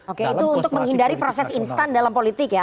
oke itu untuk menghindari proses instan dalam politik ya